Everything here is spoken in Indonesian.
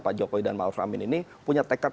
pak jokowi dan maaf amin ini punya tekad